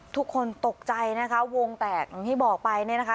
ทุกคนตกใจนะคะวงแตกอย่างที่บอกไปเนี่ยนะคะ